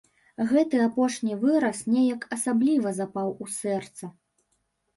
Гэты апошні выраз неяк асабліва запаў у сэрца.